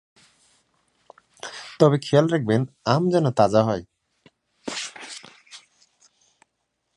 তবে খেয়াল রাখবেন আম যেন তাজা হয়।